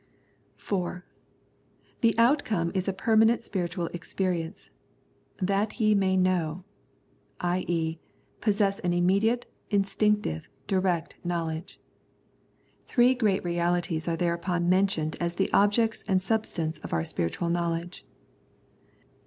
99 The Prayers of St. Paul (4) The outcome is a permanent spiritual experience. "That ye may know," i.^, possess an immediate, instinctive, direct knowledge (elBhai). Three great realities are thereupon mentioned as the objects and substance of our spiritual knowledge.